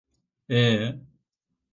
Eee...